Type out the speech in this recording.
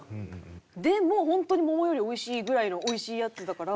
でも本当に桃よりおいしいぐらいのおいしいやつだから。